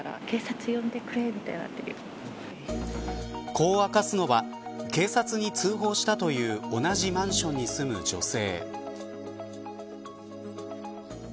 こう明かすのは警察に通報したという同じマンションに住む女性。